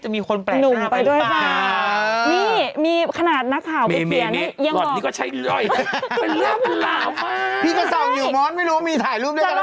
ไม่เพราะว่าก่อนหน้านั้นนะ